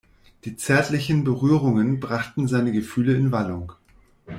Die zärtlichen Berührungen brachten seine Gefühle in Wallung.